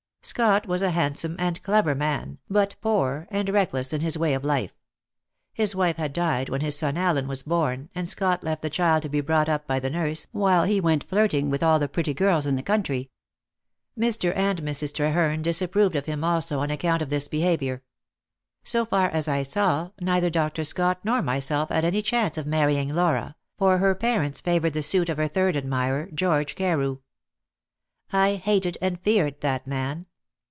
Scott was a handsome and clever man, but poor, and reckless in his way of life. His wife had died when his son Allen was born, and Scott left the child to be brought up by the nurse while he went flirting with all the pretty girls in the country. Mr. and Mrs. Treherne disapproved of him also on account of this behaviour. So far as I saw, neither Dr. Scott nor myself had any chance of marrying Laura, for her parents favoured the suit of her third admirer, George Carew. I hated and feared that man.